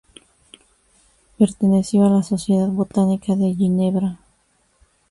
Perteneció a la "Sociedad Botánica de Ginebra".